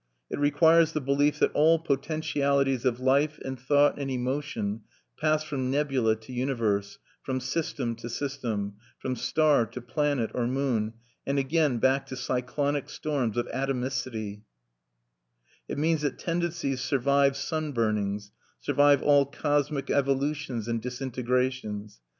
It requires the belief that all potentialities of life and thought and emotion pass from nebula to universe, from system to system, from star to planet or moon, and again back to cyclonic storms of atomicity; it means that tendencies survive sunburnings, survive all cosmic evolutions and disintegrations.